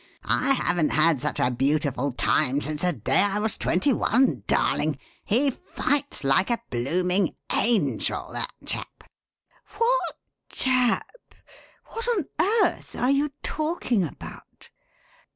I haven't had such a beautiful time since the day I was twenty one, darling; he fights like a blooming angel, that chap." "What chap? What on earth are you talking about?"